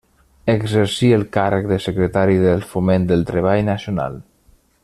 Exercí el càrrec de secretari del Foment del Treball Nacional.